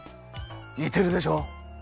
にてるでしょ？